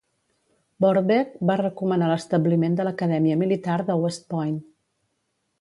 Burbeck va recomanar l'establiment de l'acadèmia militar de West Point.